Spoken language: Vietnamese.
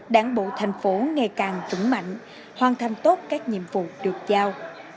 đảng bộ thành phố ngày càng vững mạnh hoàn thành tốt các nhiệm vụ được giao